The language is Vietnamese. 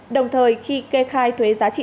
đồng thời khi kê khai thuế giá trị